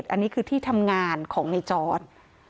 อันนี้คือที่ทำงานของในจอร์ด